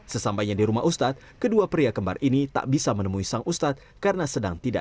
sesampainya di rumah ustadz kedua pria kembar ini tak bisa menemui sang ustadz karena sedang tidak